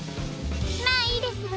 まあいいですわ。